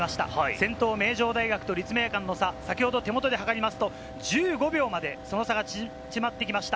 先頭・名城大学と立命館の差、先ほど手元で測りますと、１５秒まで、その差が縮まってきました。